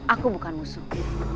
aku bukan musuh